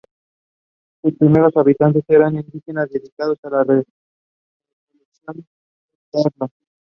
Sus primeros habitantes eran indígenas dedicados a la recolección de perlas.